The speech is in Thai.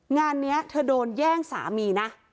งานนี้เธอโดนแย่งสามีนะ